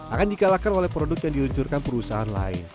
akan dikalahkan oleh produk yang diluncurkan perusahaan lain